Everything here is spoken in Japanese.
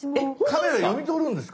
⁉カメラ読み取るんですか？